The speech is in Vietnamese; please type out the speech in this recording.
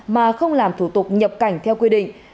mà không làm thủ tục nhập cảnh theo quy định